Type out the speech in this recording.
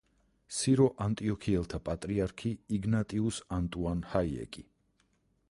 სირო-ანტიოქიელთა პატრიარქი იგნატიუს ანტუან ჰაიეკი.